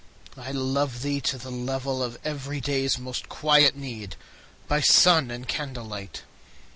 I love thee to the level of everyday's Most quiet need, by sun and candlelight.